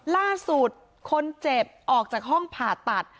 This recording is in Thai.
ล่าสุดคนเจ็บออกจากห้องผ่าตัด